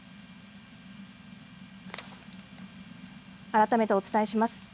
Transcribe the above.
改めてお伝えします。